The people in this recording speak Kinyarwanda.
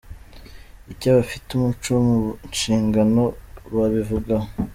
Icyo abafite umuco mu nshingano babivugaho .